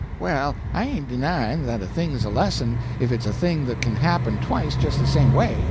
"Well, I ain't denying that a thing's a lesson if it's a thing that can happen twice just the same way.